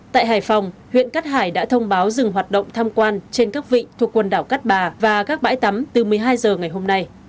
tại hải phòng huyện cát hải đã thông báo dừng hoạt động tham quan trên các vị thuộc quần đảo cát bà và các bãi tắm từ một mươi hai h ngày hôm nay